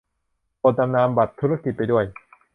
โปรดนำนามบัตรธุรกิจไปด้วย